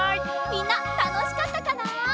みんなたのしかったかな？